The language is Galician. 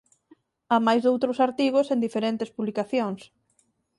Amais doutros artigos en diferentes publicacións.